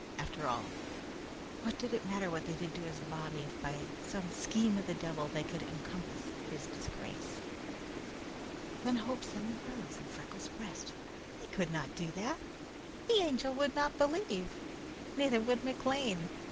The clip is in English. After all, what did it matter what they did to his body if by some scheme of the devil they could encompass his disgrace? Then hope suddenly rose high in Freckles' breast. They could not do that! The Angel would not believe. Neither would McLean.